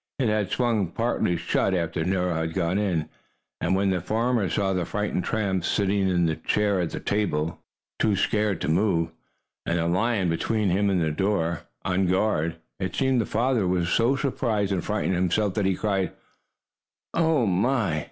It had swung partly shut after Nero had gone in. And when the farmer saw the frightened tramp sitting in the chair at the table, too scared to move, and the lion between him and the door, on guard, it seemed, the farmer was so surprised and frightened himself that he cried: "Oh my!